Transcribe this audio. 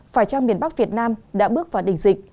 phải chăng miền bắc việt nam đã bước vào đỉnh dịch